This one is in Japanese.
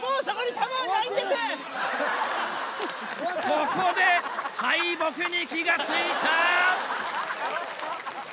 ここで敗北に気が付いた！